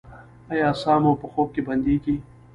ایا ساه مو په خوب کې بندیږي؟